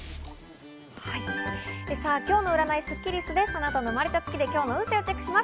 今日の占いスッキりすです。